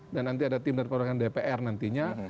dan nanti ada tim dari perwakilan dpr nantinya